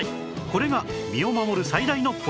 これが身を守る最大のポイント